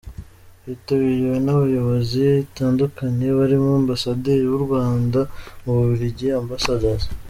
Witabiriwe n’abayobozi batandukanye barimo Ambasaderi w’u Rwanda mu Bubiligi, Amb.